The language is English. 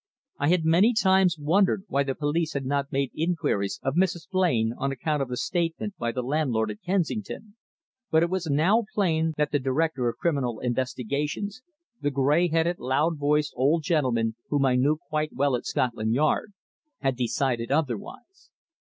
I had many times wondered why the police had not made inquiries of Mrs. Blain on account of the statement by the landlord at Kensington, but it was now plain that the Director of Criminal Investigations, the greyheaded, loud voiced, old gentleman whom I knew quite well at Scotland Yard, had decided otherwise.